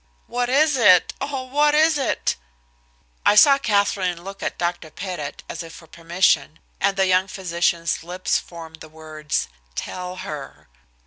"What is it, oh! what is it?" I saw Katherine look at Dr. Pettit, as if for permission, and the young physician's lips form the words, "Tell her."